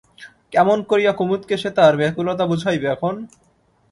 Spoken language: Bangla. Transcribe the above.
কেমন করিয়া কুমুদকে সে তার ব্যাকুলতা বুঝাইবে এখন?